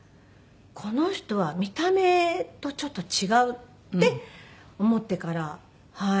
この人は見た目とちょっと違うって思ってからはい。